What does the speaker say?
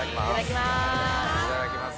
いただきます。